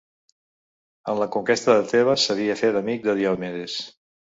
En la conquesta de Tebes s'havia fet amic de Diomedes.